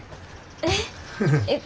えっ。